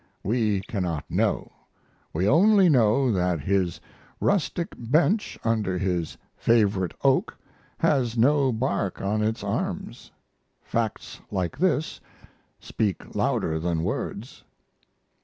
We cannot know; we only know that his rustic bench under his favorite oak has no bark on its arms. Facts like this speak louder than words."